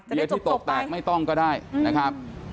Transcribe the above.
เดี๋ยวที่ตกแตกไม่ต้องก็ได้นะครับ